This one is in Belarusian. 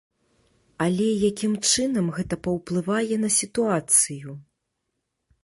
Але якім чынам гэта паўплывае на сітуацыю?